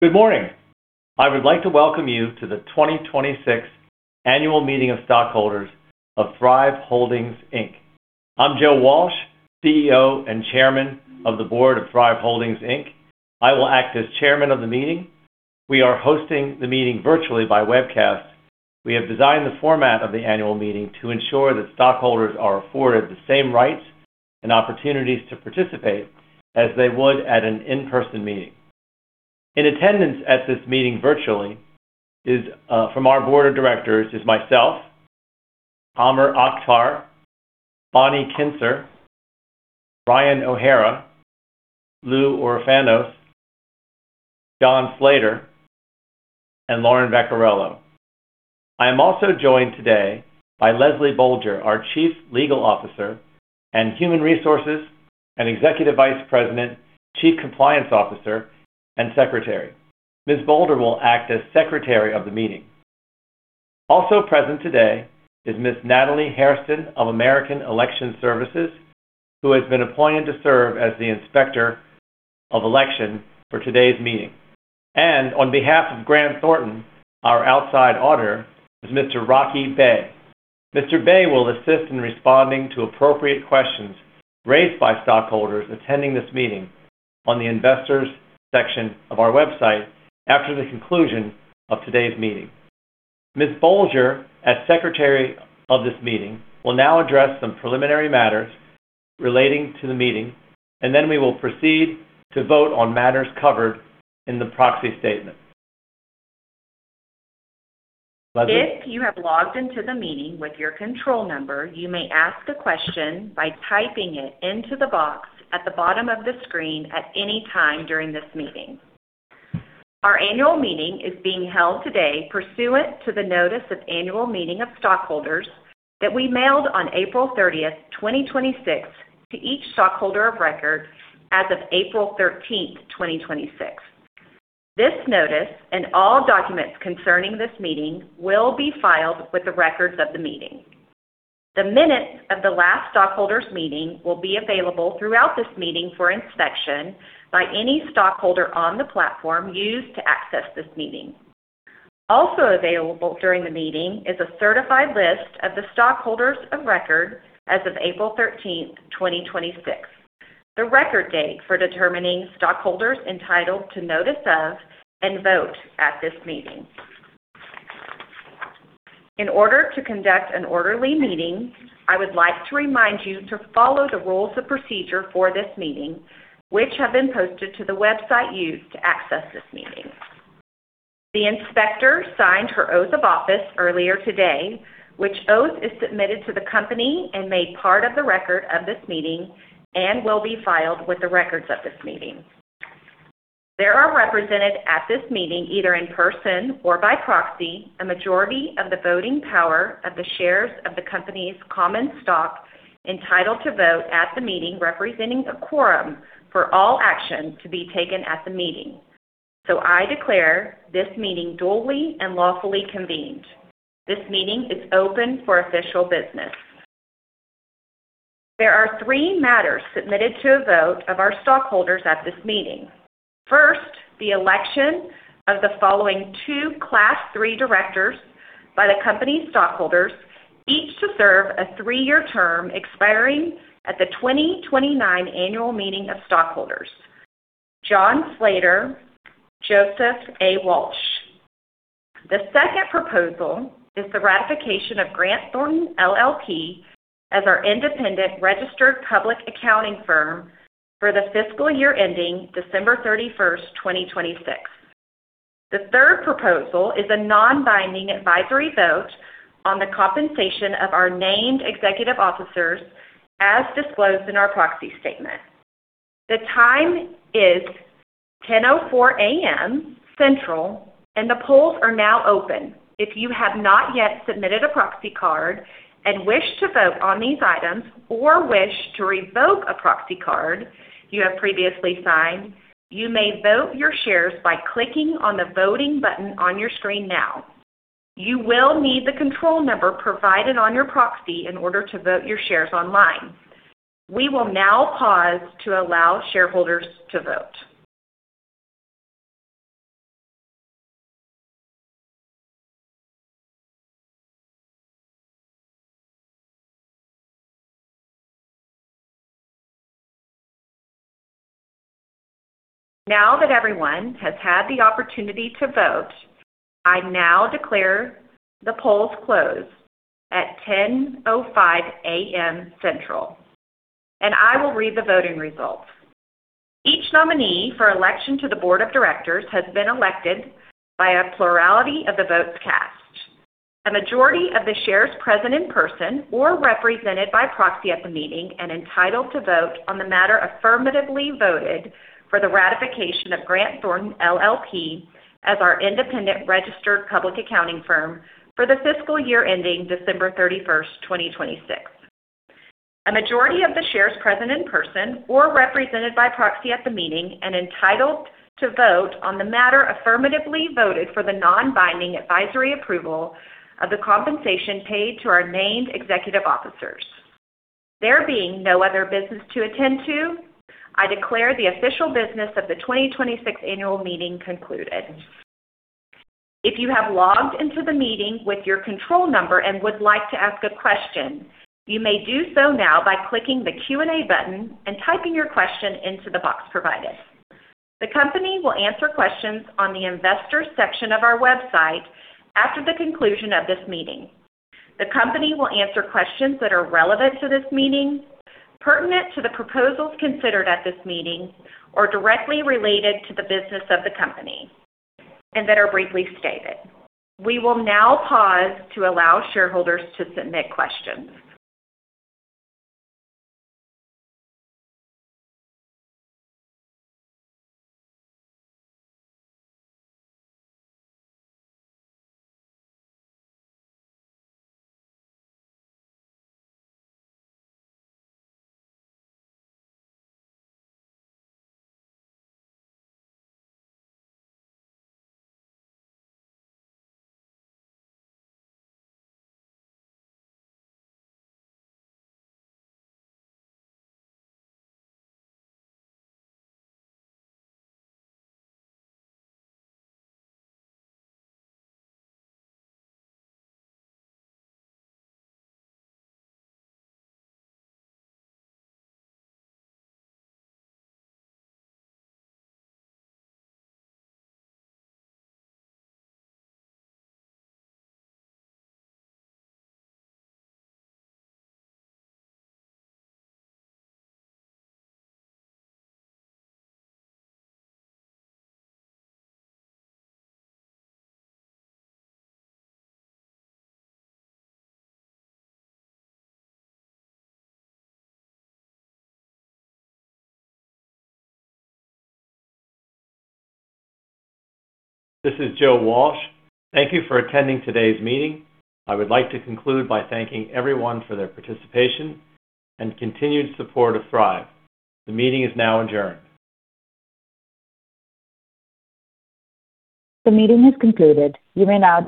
Good morning. I would like to welcome you to the 2026 Annual Meeting of Stockholders of Thryv Holdings, Inc. I'm Joe Walsh, CEO and Chairman of the Board of Thryv Holdings, Inc. I will act as Chairman of the Meeting. We are hosting the meeting virtually by webcast. We have designed the format of the annual meeting to ensure that stockholders are afforded the same rights and opportunities to participate as they would at an in-person meeting. In attendance at this meeting virtually from our Board of Directors is myself, Amer Akhtar, Bonnie Kintzer, Ryan O'Hara, Lou Orfanos, John Slater, and Lauren Vaccarello. I am also joined today by Lesley Bolger, our Chief Legal Officer and Human Resources and Executive Vice President, Chief Compliance Officer, and Secretary. Ms. Bolger will act as Secretary of the Meeting. Also present today is Ms. Natalie Hairston of American Election Services, who has been appointed to serve as the Inspector of Election for today's meeting. On behalf of Grant Thornton, our outside auditor, is Mr. Rocky Bae. Mr. Bae will assist in responding to appropriate questions raised by stockholders attending this meeting on the investors section of our website after the conclusion of today's meeting. Ms. Bolger, as Secretary of this Meeting, will now address some preliminary matters relating to the meeting. Then we will proceed to vote on matters covered in the proxy statement. Lesley. If you have logged into the meeting with your control number, you may ask a question by typing it into the box at the bottom of the screen at any time during this meeting. Our annual meeting is being held today pursuant to the notice of annual meeting of stockholders that we mailed on April 30th, 2026, to each stockholder of record as of April 13th, 2026. This notice and all documents concerning this meeting will be filed with the records of the meeting. The minutes of the last stockholders meeting will be available throughout this meeting for inspection by any stockholder on the platform used to access this meeting. Also available during the meeting is a certified list of the stockholders of record as of April 13th, 2026, the record date for determining stockholders entitled to notice of and vote at this meeting. In order to conduct an orderly meeting, I would like to remind you to follow the rules of procedure for this meeting, which have been posted to the website used to access this meeting. The inspector signed her oath of office earlier today, which oath is submitted to the company and made part of the record of this meeting and will be filed with the records of this meeting. There are represented at this meeting, either in person or by proxy, a majority of the voting power of the shares of the company's common stock entitled to vote at the meeting representing a quorum for all actions to be taken at the meeting. I declare this meeting duly and lawfully convened. This meeting is open for official business. There are three matters submitted to a vote of our stockholders at this meeting. First, the election of the following two Class 3 directors by the company stockholders, each to serve a three-year term expiring at the 2029 annual meeting of stockholders. John Slater, Joseph A. Walsh. The second proposal is the ratification of Grant Thornton LLP as our independent registered public accounting firm for the fiscal year ending December 31st, 2026. The third proposal is a non-binding advisory vote on the compensation of our named executive officers as disclosed in our proxy statement. The time is 10:04 A.M. Central, the polls are now open. If you have not yet submitted a proxy card and wish to vote on these items or wish to revoke a proxy card you have previously signed, you may vote your shares by clicking on the voting button on your screen now. You will need the control number provided on your proxy in order to vote your shares online. We will now pause to allow shareholders to vote. Now that everyone has had the opportunity to vote, I now declare the polls closed at 10:05 A.M. Central. I will read the voting results. Each nominee for election to the board of directors has been elected by a plurality of the votes cast. A majority of the shares present in person or represented by proxy at the meeting and entitled to vote on the matter affirmatively voted for the ratification of Grant Thornton LLP as our independent registered public accounting firm for the fiscal year ending December 31st, 2026. A majority of the shares present in person or represented by proxy at the meeting and entitled to vote on the matter affirmatively voted for the non-binding advisory approval of the compensation paid to our named executive officers. There being no other business to attend to, I declare the official business of the 2026 annual meeting concluded. If you have logged into the meeting with your control number and would like to ask a question, you may do so now by clicking the Q&A button and typing your question into the box provided. The company will answer questions on the investor section of our website after the conclusion of this meeting. The company will answer questions that are relevant to this meeting, pertinent to the proposals considered at this meeting, or directly related to the business of the company, that are briefly stated. We will now pause to allow shareholders to submit questions. This is Joe Walsh. Thank you for attending today's meeting. I would like to conclude by thanking everyone for their participation and continued support of Thryv. The meeting is now adjourned. The meeting has concluded. You may now disconnect.